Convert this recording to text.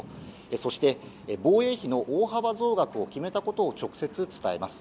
そして、防衛費の大幅増額を決めたことを直接伝えます。